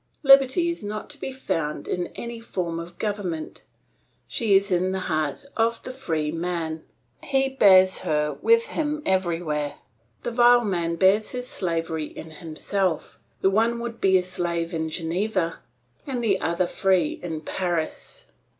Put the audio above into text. Liberty is not to be found in any form of government, she is in the heart of the free man, he bears her with him everywhere. The vile man bears his slavery in himself; the one would be a slave in Geneva, the other free in Paris.